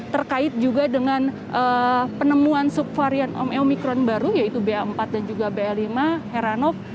terkait juga dengan penemuan subvarian omikron baru yaitu ba empat dan juga ba lima heranov